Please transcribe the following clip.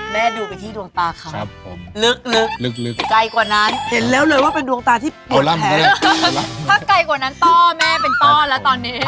ดูไปที่ดวงตาเขาลึกไกลกว่านั้นเห็นแล้วเลยว่าเป็นดวงตาที่ปวดแผลถ้าไกลกว่านั้นต้อแม่เป็นต้อแล้วตอนนี้